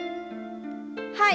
はい。